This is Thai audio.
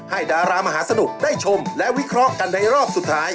ดารามหาสนุกได้ชมและวิเคราะห์กันในรอบสุดท้าย